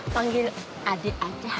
panggil adik aja